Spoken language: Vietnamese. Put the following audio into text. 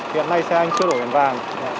hiện nay xe anh chưa đổi biển vàng